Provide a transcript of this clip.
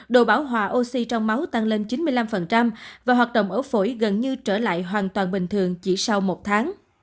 đồ bảo hòa oxy trong máu tăng lên chín mươi năm và hoạt động ở phổi gần như trở lại hoàn toàn bình thường chỉ sau một tháng